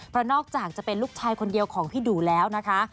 เพราะนอกจากจะเป็นลูกชายคนเดียวของพี่ดูแล้วนะคะ